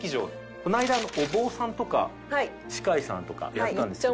この間お坊さんとか歯科医さんとかやったんですけど。